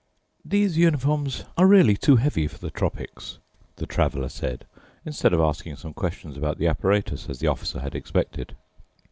"These uniforms are really too heavy for the tropics," the Traveler said, instead of asking some questions about the apparatus, as the Officer had expected.